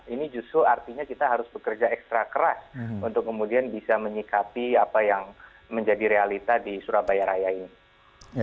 ini justru artinya kita harus bekerja ekstra keras untuk kemudian bisa menyikapi apa yang menjadi realita di surabaya raya ini